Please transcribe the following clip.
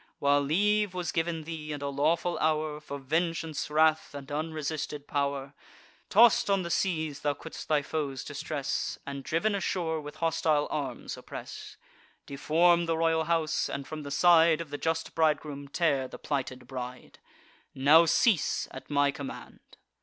While leave was giv'n thee, and a lawful hour For vengeance, wrath, and unresisted pow'r, Toss'd on the seas, thou couldst thy foes distress, And, driv'n ashore, with hostile arms oppress; Deform the royal house; and, from the side Of the just bridegroom, tear the plighted bride: Now cease at my command."